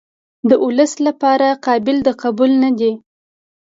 د ولس لپاره قابل د قبول نه دي.